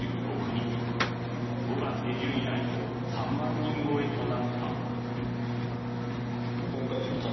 ５月下旬以来の３万人超えとなった。